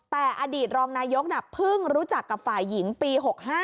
แต่อดีตรองนายกเพิ่งรู้จักกับฝ่ายหญิงปี๖๕